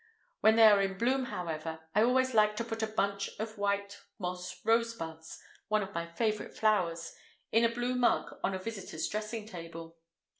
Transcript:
When they are in bloom, however, I always like to put a bunch of white moss rose buds (one of my favourite flowers) in a blue mug on a visitor's dressing table.